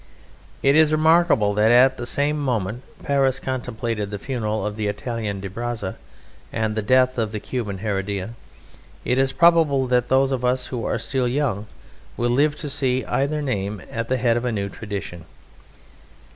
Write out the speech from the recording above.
It is remarkable that at the same moment Paris contemplated the funeral of the Italian de Brazza and the death of the Cuban Heredia. It is probable that those of us who are still young will live to see either name at the head of a new tradition.